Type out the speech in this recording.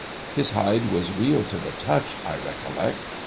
His hide was real to the touch, I recollect.